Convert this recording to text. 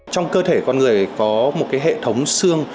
trong cơ thể con người có một hệ thống xương